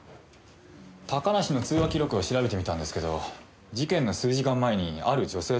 高梨の通話記録を調べてみたんですけど事件の数時間前にある女性と連絡を取ってますね。